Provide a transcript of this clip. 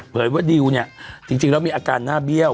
ว่าดิวเนี่ยจริงแล้วมีอาการหน้าเบี้ยว